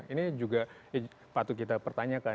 ini juga patut kita pertanyakan